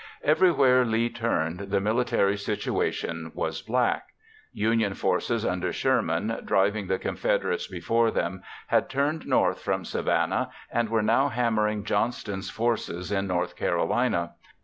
Everywhere Lee turned, the military situation was black. Union forces under Sherman, driving the Confederates before them, had turned north from Savannah and were now hammering Johnston's forces in North Carolina.